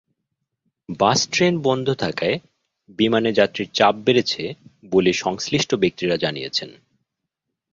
Bus train বন্ধ থাকায় বিমানে যাত্রীর চাপ বেড়েছে বলে সংশ্লিষ্ট ব্যক্তিরা জানিয়েছেন।